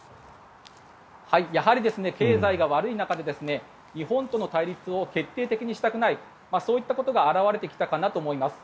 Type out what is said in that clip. やはり経済が悪い中で日本との対立を決定的にしたくないそういったことが表れてきたかなと思います。